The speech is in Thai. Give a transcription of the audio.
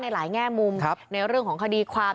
หลายแง่มุมในเรื่องของคดีความ